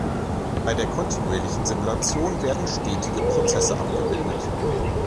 Bei der kontinuierlichen Simulation werden stetige Prozesse abgebildet.